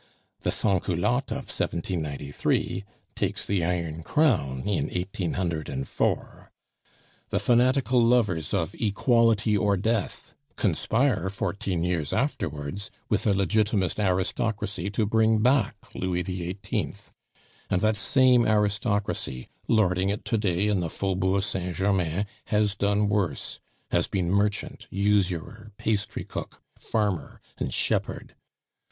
The sans culotte of 1793 takes the Iron Crown in 1804. The fanatical lovers of Equality or Death conspire fourteen years afterwards with a Legitimist aristocracy to bring back Louis XVIII. And that same aristocracy, lording it to day in the Faubourg Saint Germain, has done worse has been merchant, usurer, pastry cook, farmer, and shepherd.